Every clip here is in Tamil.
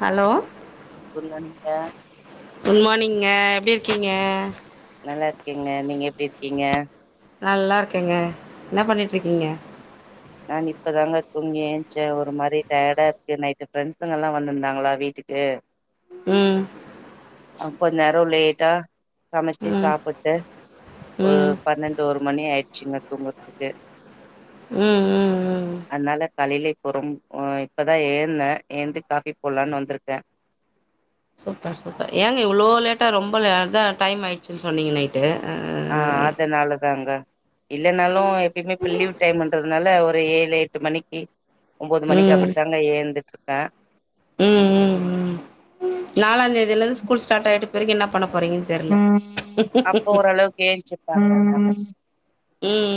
ஹலோ [unintelligible] ஞா எப்பிடி இருக்கீங்க நல்லா இருக்கெங்க நீங்க எப்டி இருக்கீங்க நல்லா இருக்கேங்க என்ன பண்ணிட்ருக்கீங்க நான் இப்பதாங்க தூங்கி ஏச்சே ஒரு மாரி டயடா இருக்கு நைட்டு ஃப்ரெண்சுங்கல்லா வந்துந்தாங்களா வீட்டுக்கு உம் கொஞ் நேரொ லேட்டா சமச்சு ம் சாப்பிட்டு ஒரு ம் பன்னெண்டு ஒரு மணி ஆயிச்சுங்க தூங்கற்துக்கு ம் உம் உம் அதனால காலேல பொறம் இப்பதா ஏந்தே ஏந்து காஃபி போட்லானு வந்திருக்கே சூப்பர் சூப்பர் ஏங்க இவ்வுளோ லேட்டா ரொம்ப ல அதா டைம் ஆயிட்ச்சுன் சொன்னீங்க நைட்டு அ ஆ அதனாலதாங்க இல்லென்னாலு எப்பய்மே இப்ப லீவ் டைம்ன்றதுனால ஒரு ஏழு எட்டு மணிக்கி உம் உம் உம் உம் நாலா தேதியிலந்து ஸ்கூல் ஸ்டார்ட் ஆயிடு பிறகு என்ன பண்ணப் ம் அப்போ ஓரளவுக்கு யேஞ்ச்சுப்பா அதுக்கு தகுந்தா மாரி உம்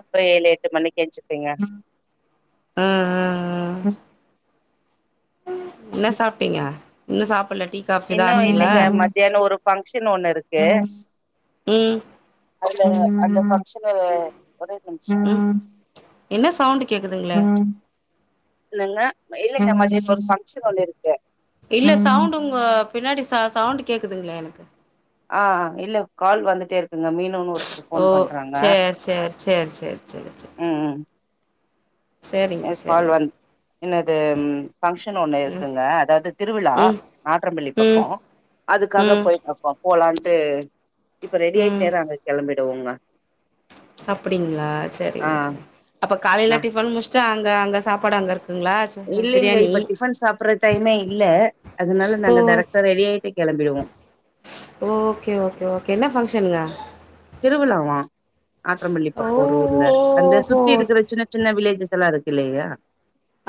அப்ப ஏழு எ ட்டு மணிக்கு என்சுப்பீங்க ம் ம் ம் ம் என்ன சாப்ட்டிங்க இன்னு சாப்புலட் இன்னு இல்லிங்க மதியான ஒரு ஃபங்ஷன் ஒண்ணு இருக்கு ம் ம் ம் ம் என்ன சவுண்டு கேட்குதுங்களே [unintelligible] உம் உம் என்னங்க இல்லங்க மதிய ஒரு ஃபங்ஷன் ஒன்னு இருக் இல்ல சவுண்டு உங்க பின்னாடி ச சவுண்டு கேக்குதுங்ளே எனக்கு ஆ இல்ல கால் வந்துட்டேருக் ஓ சேரி சேரி சேரி சேரி சேரி சேரி எ கால் வன் என்னது ஃபங்க்ஷன் ஒண்ணு இருக்குங்க அதாவ்து திருவிழா ம் நாற்றம்பள்ளி பக்கொ ம் அதுக்காக ம் போய் அப்றொ போலான் டு இப்ப ரெடி ஆயிட் நேரங் கிளம்பிட் [unintelligible] அப்படிங்ளா சரிங்க சரி அப்ப காலைல்ல டிபன் முடிச் ச்சீ அங்க அங்க சாப்பாடு அங்க இரு இல்லங்க இப்ப டிஃபன் சாப்பிடுற டைமே இல்ல அதனால ஓ நாங்க டரெக்டா ரெடி ஆயிட்டு கெளம்பிருவோம் ஓகே ஓகே ஓகே என்ன பங்க்ஷனுங்க திருவிழாவா ஆற்றம்பள்ளி ஓ பக்கம் ஒரு ஊர்ல அந்த சுத்தி இருக்கிற ஓஹோ சின்ன சின்ன வில்லேஜ் டிஸ்டெல்லா இருக்கு இல்லியா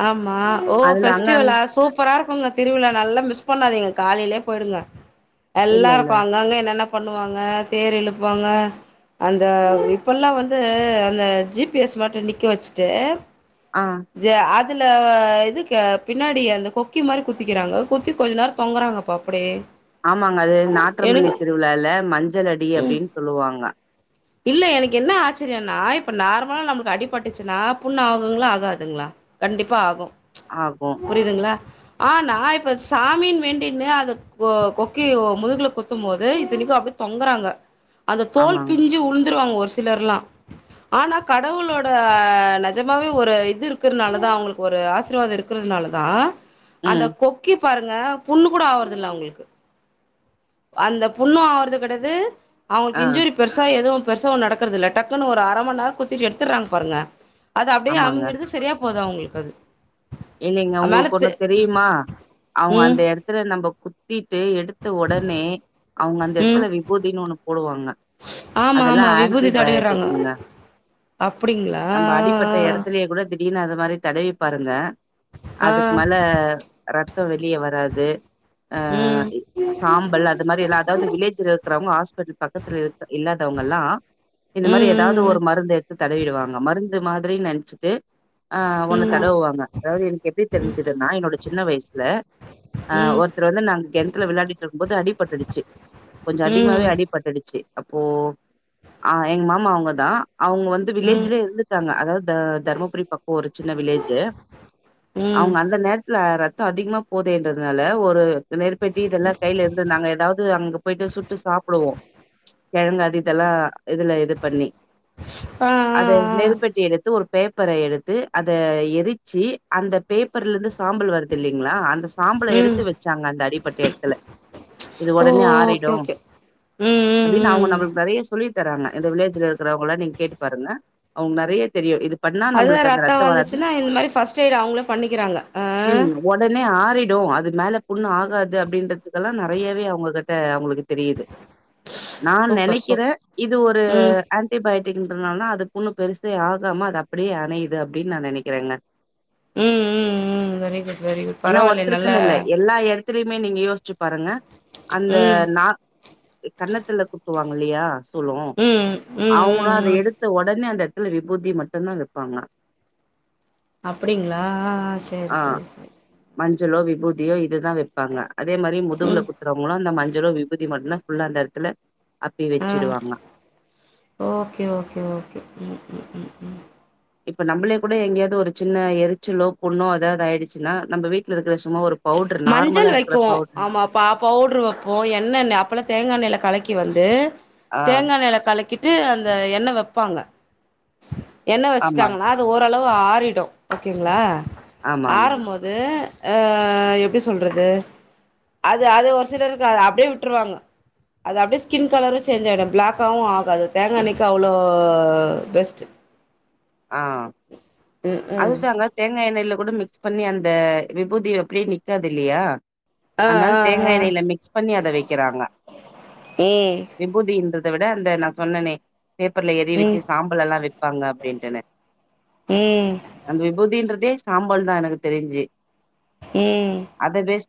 ஆமா ஓ பெஸ்டிவலா சூப்பரா இருக்குங்க திருவிழா நல்லா மிஸ் பண்ணாதீங்க காலைலியே பொயிருங்க இல்ல எல்லா இல்ல இருக்கும் அங்கங்க என்னன்ன பண்ணுவாங்க தேர் இழுப்பாங்க அந்த இப்பலாம் வந்து அந்த ஜிபிஎஸ் மட்டும் நிக்க வச்சுட்டு ஆ ஜ அது அதுல இது க பின்னாடி அந்த கொக்கி மாரி குத்திகிறாங்க குத்தி கொஞ்சம் நேரம் தொங்குறாங்கப்பா அப்டியே ஆமாங்க அது நாற்றம்பள்ளி எனக்கு திருவிழால மஞ்சள் அடி அப்டின்னு சொல்லுவாங்க இல்ல எனக்கு என்ன பட்டுச்சுன்னா புண்ணு ஆகுங்களா ஆகாதுங்களா கண்டிப்பா ஆகும் ஆகு புரியுதுங்களா ஆனா இப்ப சாமின் வேண்டினு அத கொ கொக்கி முதுகுல குத்தும் போது இதனைக்கும் அப்டி தொங்குறாங்க அந்த தோல்பி ஆமாங்க உழுந்துருவாங்க ஒரு சிலர்லாம் ஆனா கடவுளோட நஜமாவே ஒரு இது இருக்கனாலான் அவங்களுக்கு ஒரு ஆசிர்வாதம் இருக்கிறதுனால தான் அந்த ம் கொக்கி பாருங்க புண்ணு கூட ஆவுறதுல்ல அவங்களுக்கு அந்த புண்ணு ஆறது கிடது ஆ அவங்களுக்கு இன்ஜூரி பெருசா எதும் பெருசா நடக்கறதில்ல டக்குன்னு ஒரு அரை மணி நேரம் குத்திட்டு எடுத்துடுறாங்க பாருங்க அது அப்டியே அமிங்கடுது சரியா போது அவங்களுக் இருக்காது இல்லிங்க உங்களுக்கு ஒண்ணும் தெரியுமா அவங்க ம் அந்த எடத்துல நம்ம குத் தி எத்து எடுத்த உடனே அவங்க அந்த ம் இடத்துல விபூதி ஒண்ணுணு போடுவாங்க ஆமா ஆமா அதெல்லாம் விபூதி தடவிறாங்க ஆன்டிபயாட்டிங்குங்க அப்டிங்களா நம்ம அடிப்பட்ட இடத்துலே கூட அப்படின்னு அது மாரி தடவி பாருங்க ஆ அதுக்கு மேல ரத் சத்தம் வெளிய வராது ஆஹ ம் சாம்பல் அது மாரி எல்லாம் அதாவது வில்லேஜ் ருவங்க ஹாஸ் பக்கத்து இல்லாதவங்க எல்லாம் இந்த மாரி ம் ஏதாவது ம் ஒரு மருந்து எடுத்து தடவிடுவாங்க மருந்து மாரி நெனைச்சிட்டு ஆஹ் ஒண்ணு ம் தடவுவாங்க அதாவது எனக்கு எப்படி தெரிஞ்சதுன்னா என்னோட சின்ன வயசு இல்ல ஆஹ் ம் ஒருத்தர் வந்து நாங்க கிணத்துல விளையாடிட்டு இருக்கும்போது அடி பட்டிடுச்சு கொஞ்ச அதிகமாகவே ம் அடிபட்டுடுச்சு அப்போ ஆ எங்க மாமா அவங்க தான் அவங்க வந்து வில்லேஜ்ல இருந்துட்டாங்க அதாவது தர்மபுரி பக்கம் ஒரு சின்ன வில்லேஜு ம் அவங்க அந்த நேரத்துல ரத்தம் அதிகமா போதேன்றதுனால ஒரு நெருப்பட்டி இதெல்லாம் கையில இருந்து நாங்க ஏதாவது அங்க போயிட்டு சுட்டு சாப்பிடுவோம் கிழக்கு அது இத இதெல்லாம் இதுல இது பண்ணி ஆ ஆ அதது ஆ நெருபட்டி எடுத்து ஒரு பேப்பரை எடுத்து அத எதி எரிச்சி அந்த பேப்பர்ல இருந்து சாம்பல் வருது இல்லைங்களா அந்த சாம்பளை ம் எடுத்து வச்சாங்க அந்த அடிப்பட்ட இடத்துல இது ஓ உடனே ஓகே ஆறிடும் ஓகே ம் ம் அப்படின்னு அவங்க ம் நம்மளுக்கு நிறைய சொல்லி தராங்க இந்த வில்லேஜில இருவங்கள நீங்க கேட்டு பாருங்க அவங்க நிறைய தெரியும் இதுக்கு அது ரத்த வந்துச்சுன்னா இந்த அது மாரி ஃபஸ்ட் எய்ட் அவங்களே பண்ணிக்கிறாங்க ம். உடனே அது மேல புண்ணு ஆகாது அப்படின்றதுக்கெல்லாம் நிறையாவவே அவங்க கிட்ட அவங்களுக் தெரியுது நான் சூப்பர் சூப் நினைக்கிறேன் இது ஒரு ம் ஆன்டிபயோட் அப்டின்றதால அது பொண்ணு பெருசே ஆகாம அது அப்படியே அணையுது அப்படின் நான் நினைக்கிறேங்க உம் உம் உம் வெரி குட் வெரி குட் பரவாயில்லை நல்லா இதையுமே நீங்க யோசிச்சு பாருங்க அந்த ம் நாக்கு கண்ணத்துல குத்துவாங்க இல்லையா சொல்லு ம் ம் ம் அவங்களும் அத ம் எடுத்த உடனே அந்த சில விபூத்த மட்டும்தான் வை ப்பாங்களா அப்டிங்களா சரி சரி சரிரி விபூதியோ இதுதான் வைப்பாங்க அதே மாதிரி முதுகுல ம் குடுத்துறவங்களும் அ மஞ்ச விபதி மட்டும் தான் ஃப்புல்ல அந்த இடத்துல அப்பி ஆஹ் வச்சுடுவாங்க. ஓகே ஓகே ஓகே இப்ப நம்மளே கூட எங்கேயாவது ஒரு சின்ன எரிச்சலோ புண்ணோ எதாவது ஆயிடுச்சன்னா நம்ம வீட்டுல இருக்கிற சும்மா ஒரு பவுடர் நார்மலா மஞ்சள் இருக்கிற வைப்போம் பவுடர் ஆமா பவுட்ரு வைப்போம் எண்ணெய் அப்பல்லாம் தேங்காய் எண்ணெயில கலைக்கி வந்து ஆ தேங்காய் நில கலிக்க கிட்டு அந்த எண்ணய வைப்பாங்க உம் என்ன ஆமா. வச்சுட்டாங்கன்னா அது ஓரளவு ஆறிடும் ஓகேங்களா ஆமா, ஆமாங்க. ஆரும்போது ஆ எப்படி சொல்றது அது அது ஒரு சிலர் அப்படியே விட்டுருவாங்க அது அப்படியே ஸ்கின் கலரும் சேஞ்ச் ஆயிடும் பிளாகக்காவும் ஆகாது தேங்காய அனைக்கு அவ்ளோ பெஸ்ட் [unintelligible] ஆஹ் ம் ம் அதுதாங்க தேங்காய் எண்ணெயல்ல கூட மிக்ஸ் பண்ணி அந்த விபூதி எப்படியே நிக்காது இல்லையா ஆ அதனால் ஆ ஆ தேங்காய் எண்ணெயில மிக்ஸ் பண்ணி அதை வைக்கிறாங்க ம் விபூதின்றது அதை விட அந்த நான் சொன்னேனே பேப்பர்ல எறிவிச்சு ம் சாம்பல் எல்லாம் வ இருப்பாங்க வேண்டான ம் அந்த விபூதின்றது இதே சாம்பல் தான் எனக்கு தெரிஞ்சு உம்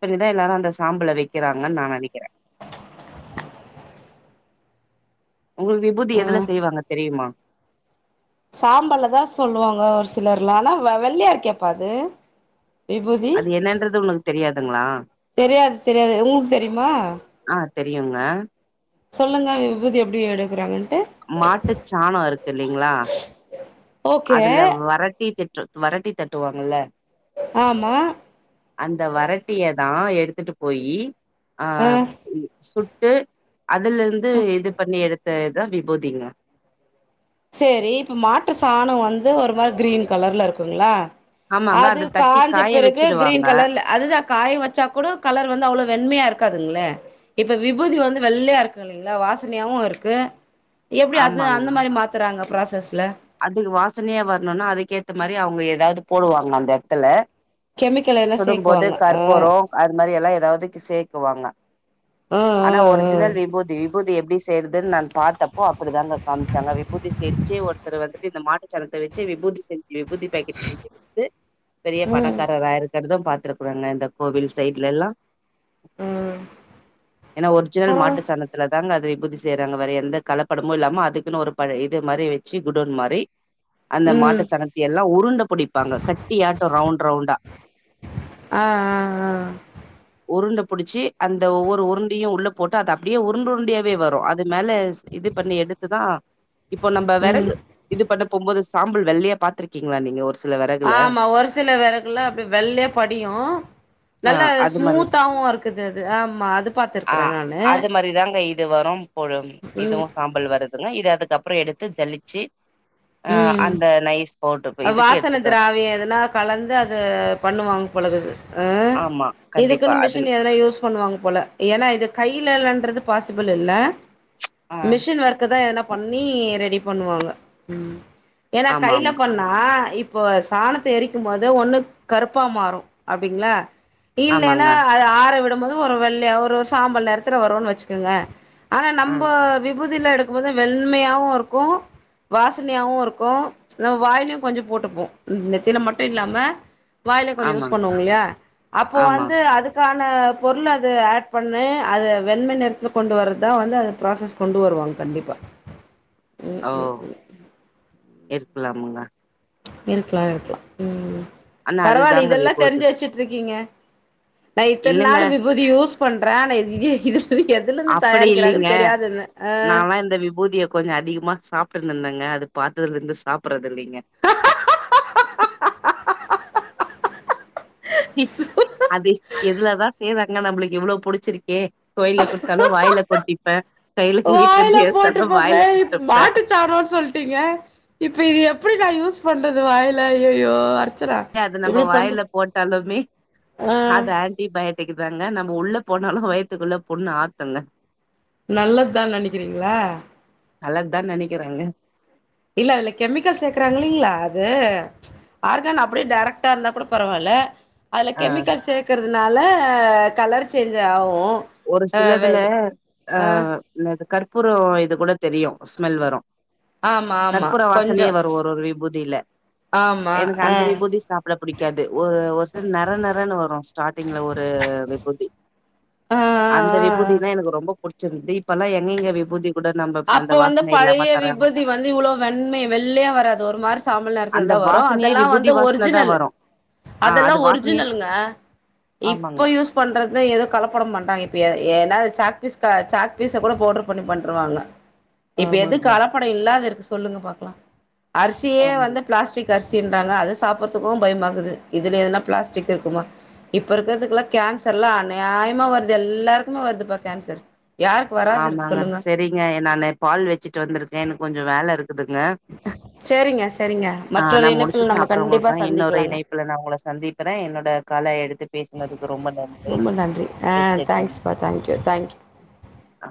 பண்ணிதான் எல்லாரும் அந்த சாம்பளை வைக்கிறாங்கு நின்னகிறேன் உங்களுக்கு விபதி எதுல செய்வாங்க தெரியுமா சாம்பால தான் சொல்லுவாங்க ஒரு சிலர்ல ஆனா வெள்ளையாரு கேடப்பது அது என்னன்றது உனக்கு தெரியாது ங்களா தெரியாது தெரியாது உங்களுக்கு தெரியுமா ஆ தெரியுங்க சொல்லுங்க விபுதி எப்டி எடுக்குறாங்கன்னு மாட்டுச்சாணம் இருக்கு இல்லைங்களா ஓகே அதுல வரட்டி தட் வரட்டி தட்டுவாங்கல்ல ஆமா அந்த வரட்டிய நா எடுத்துட்டு போயி ஆ சுட்- எப் அதுல இருந்து இது பண்ணி எடுத்து தா விபுதிங்க செரி இப்ப மாட்டு சாணம் வந்து ஒரு மாரி கிரீன் கலர்ல இருக்குங்களா ஆமாங்க அது அத தட்டி காஞ்ச காய பிறகு வச்சிடுவாங்க கிரீன் கலர்ல அது தா காய வெச்சா கூட கலர் வந்து அவ்வளோ வென்மையா இருக்காதுளா இப்ப விபூதி வந்து வெள்ளையா இருக்கு இல்லைங்களா வாசனையாவு இருக்கு எப்டி அது அந்த மாதிரி மா அங்க ப்ராசஸ்லா அதுக்கு வாசனையா வரணுனா அதுக்கேத்த மாரி அவுங்க எதாது போடுவாங்க அந்த எடத்துல கெமிக்கல் எல்லா சுடும்போது சேக்குவாங்க ஆ கற்பூரம் அது மாரி எல்லா ஏ அதாவதுக்கு சேக்குவாங்க ஆ ஆ ஆனா ஆ ஒரிஜினல் விபூதி விபூதி எப்டி செய்றது நா பாத்தப்போ அப்படி தாங்க காம்ச்சாங்க விபூதி செஞ்சு ஒத் ஒத்தரு வந்துட்டு இந்த மாட்டு சாணத்தை வெச்சி விபூதி செஞ்சு விபூதி பாக்கெட் செஞ்சி வித்து பெரிய ம் பணக்காரரா இருக் பாத்ருக்குறாங்க இந்த கோவில் சைட்ல எல்லா ம் என்னா ஒரிஜினல் பரவா மாட்டு சாணத்தில அது அதுலந்தாங்க விபூதி செய்றாங்க வேற எந்த கலப்படமு இல்லாம அதுக்குன்னு ஒரு பழைய இது மாரி வெச்சி வெச்சி குடோன் மாறி அந்த மாட்டு ம் சாணாத்த எல்லா உருண்ட புடிப்பாங்க கட்டியாட் ரவுண் ரவுண்டா ஆ ஆ ஆ உருண்ட புடிச்சி அந்த ஒவ்வொரு உருண்டியு உள்ள போட்டு அத அப்டியே உருண்டு உருண்டியாவே வரு அது மேல இது பண்ணி எடுத்து தா இப்போ நம்ப ம் இது பண்ண போம்போது சாம்பல் வெள்ளயா பாத்திருக்கீங்களா நீங்க ஒரு சில வெறகுல ஆமா ஒரு சில வெறகுல அப்டியே வெள்ளையா படியு ஆ நல்லா அது மாரி ஸ்மூத்தாவு இருக்குது அது ஆமா அது ஆ பாத்துருக்குறேன் நானு அது மாரிதாங்க வரும் போடும் ம் இதுவும் சாம்பல் வருதுங்க இது அதுக்கப் அப்புற எடுத்து ஜல்லி சீ உம் இதுக்கு வாசன எடுத்துட்டு வ திராவியம் எதுனா கலந்து அது பண்ணுவாங்க பேழக்குது. ஆ ஆமா கண்டிப்பா இதுக்குன்னு அது மிஷின் எதன யூஸ் பண்ணுவாங்க போல ஏன்னா இது கையிலன்றது பாசிபிள் இல்ல ஆ மிஷின் ஒர்க்கு தான் எதனாப் பண்ணி ரெடி பண்ணுவாங்க. உம். ஏன்னா ஆமா கையில ஆமா பண்ணா இப்போ சாணத்தை எரிக்கும் போது ஒண்ணு கருப்பா மாறும் அப்படிங்களா இல்லன்னா ஆமாங்க அது ஆற விடும் மொத ஒரு வெள்ளையா ஒரு சாம்பல் நெறத்துல வருன்னு வச்சுக்கோங்க ஆனா ஆ நம்மப விபூதிலாம் எடுக்கும்போது வெண்மையாவும் இருக்கும் வாசனையாவும் இருக்கும் நம்ம வாயிலும் கொஞ்சம் போட்டுப்போம் நெத்தில மட்டும் இல்லாம வாயில கொஞ்சம் யூஸ் ஆமாங்க பண்ணுவோங்க இல்லையா அப்போ ஆமா வந்து அதுக்கா பண்ணா பொருள் அதை ஆட் பண்ணு அதை வெண்மை நிறத்தில் கொண்டு வர்றதான் வந்து அத ப்ராசஸ் கொண்டு வருவாங்க கண்டிப்பா ம் ஓ ம் இருக்கலாமுங்க. இருக்கலாம் இருக்கலாம் உம் ஆனா பரவாயில்ல அதுதாங்க இதெல்லாம் விபூதி தெரிஞ்சு வச்சிற்று இருக்கீங்க நா இத்தன் இல்லங்க நாளு விபூதி யூஸ் பண்றேன் இ இது எதுலருந்து அப்படி இல்லிங்க தயாரிக்கிறாங்கன்னு தெரியாதுன்ன ஆ நால்லாம் இந்த விபூதியை கொஞ்சம் அதிகமா சாப்புட்டு இன் இந்தங்க அது பாத்ததுல இருந்து சாப்படுறது இல்லிங்க அது எதுலதான் செய்றாங்க நம்மளுக்கு இவ்வேளோ புடிச்சிருக்கேன் கோயில்ல குடுத்தாலும் வாயில கொட்டிப்பேன் வாயில போட்டுப்போங்க இப் கொட்டிப்பே மாட்டு சாணாம் சொல்லிட்டீங்க இப்ப இது எப்படி நான் யூஸ் பண்றது வாயல ஐயோ ஐயோ அது நம்ம வாயில போட்டாலுமே ஆ அது ஆன்டிபைட் கேக்குதாங்க நம்ம உள்ள போனாலும் வயித்துக்குள்ள புண்ண ஆத்துங்க நல்லதுதான் நினைக்கிறீர்களா நல்லது தான் நினைக்கறாங்க. இல்ல அதுல கெமிக்கல் சேர்க்கறாங்க இல்லீங்களா அது ஆர்கன் அப்படியே டைரக்ட்டா இருந்தா கூட பரவாயில்ல அது ஆ கெமிக்கல்ஸ் சேக்கறது அதனால கலர் சேஞ்ச் ஆவும் ஒரு சிலதுல அஹ் கருப் அப்புறம் இது கூட தெரியும் ஸ்மெல் வரும் ஆமா ஆமா கற்பூர கொஞ்சோ வாசனையே வரும் ஒரு ஒரு விபூதியில ஆமா எனக்கு ஆ அந்த விபூதி சாப்பிட பிடிக்காது ஒரு ஒரு சில நற நறன்னு வரும் ஸ்டார்டிங்ல ஒரு விபூதி ஆ ஆ அந்த ஆ ஆ விபூதினா எனக்கு ரொம்ப பிடிச்ச இப்பெல்லாம் எங்கங்க விபூதி கூட நம்ம அந்த அப்ப வந்து வாசன இல்லாம பழைய தராங்க விபுதி வந்து இவ்வளவு வெண்மை வெள்ளையா வராது ஒரு மாதிரி சாம்பல் அந்த நிறத்துலதான் வரும் வாசனையே அதெல்லாம் விபூதி வந்து வாசன தா ஒரிஜினல் வரு ஆ அது அதெல்லாம் வாசனையே ஒரிஜினலுங்க ஆமாங்க இப்ப யூஸ் பண்றது ஏதோ கலப்படம் பண்ணுறாங்க இப்போ ஏனா சாக்பீஸ் சாக் பீஸை கூட பவுட்ரு பண்ணி பண்ணருவாங்க இப்ப எது ஆமாங்க கலப்படம் இல்லாத இருக்கு சொல்லுங்க பார்க்கலாம் அரிசியே ஆமாங்க வந்து பிளாஸ்டிக் அரிசி இன்றாங்க அது சாப்படுறதுக்கும் பயமா இருக்குது இதுலஎதுனா பிளாஸ்டிக் இருக்குமா இப்ப இருக்கிறதுக்கெல்லாம் கேன்சர் எல்லாம் அநியாயமா வருது எல்லாருக்குமே வருதுப்பா கேன்சர் யாருக்கு வராது இருக்கு ஆமாங்க சொல்லுங்க சரிங்க நான் பால் வச்சிட்டு வந்திருக்கேன் எனக்கு கொஞ்சம் வேலை இருக்குது சரிங்க சரிங்க ஆஹ் மற்றொரு நான் இணைப்பில் முடிச்சுட்டு நம்ம அப்புறம் கண்டிப்பா உங்களுக்கு இன்னொரு சந்திக்கலாங்க இணைப்புல நான் உங்களை சந்திக்கிறேன் என்னோட காலை எடுத்து பேசுனதுக்கு ரொம்ப நன்றி ரொம்ப நன்றி ஆஹ் வச்சிட்றேங்க தேங்க்ஸ் பா தேங்க்யூ தேங்க்யூ ஆ